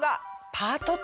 パート２。